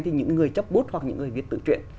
thì những người chấp bút hoặc những người viết tự truyện